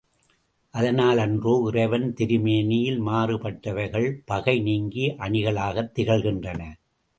அதனாலன்றோ இறைவன் திருமேனியில் மாறுபட்டவைகள் பகை நீங்கி அணிகளாகத் திகழ்கின்றன.